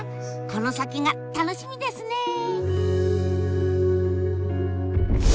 この先が楽しみですね！